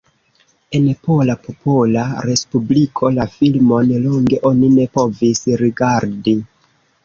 En Pola Popola Respubliko la filmon longe oni ne povis rigardi.